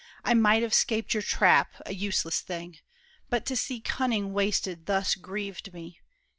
I might have 'scaped your trap—a useless thing; But to see cunning wasted thus grieved me.